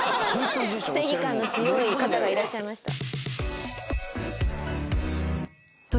正義感の強い方がいらっしゃいました。